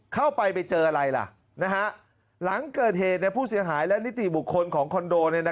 เข้าไปไปเจออะไรล่ะหลังเกิดเหตุผู้เสียหายและนิติบุคคลของคอนโด